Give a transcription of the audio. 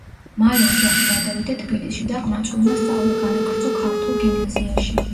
მალე ოჯახი გადავიდა თბილისში და ყმაწვილმა სწავლა განაგრძო ქართულ გიმნაზიაში.